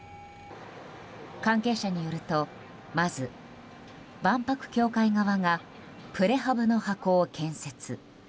関係者によるとまず万博協会側がプレハブの箱を建設。